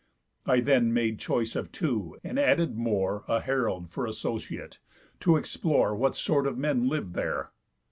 I then made choice of two, and added more, A herald for associate, to explore What sort of men liv'd there.